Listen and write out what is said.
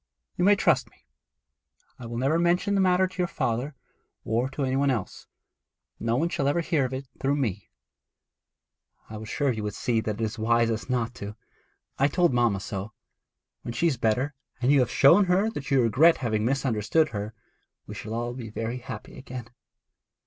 'You may trust me. I will never mention the matter to your father, or to any one else. No one shall ever hear of it through me.' 'I was sure that you would see that it is wisest not to; I told mamma so. When she is better, and you have shown her that you regret having misunderstood her, we shall all be very happy again.'